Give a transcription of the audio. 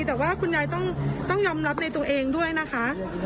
แต่ว่าคุณยายต้องยอมรับในตัวเองด้วยนะคะ